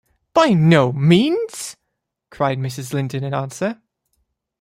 ‘By no means!’ cried Mrs. Linton in answer.